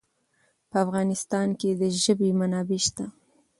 په افغانستان کې د ژبې منابع شته.